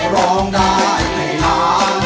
ร้องได้ให้ล้าน